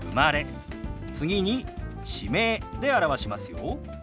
次に地名で表しますよ。